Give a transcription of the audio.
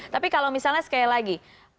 tapi kalau misalnya sekali lagi